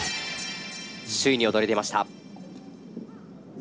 首位に躍り出ました。